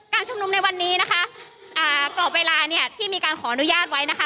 ชุมนุมในวันนี้นะคะอ่ากรอบเวลาเนี่ยที่มีการขออนุญาตไว้นะคะ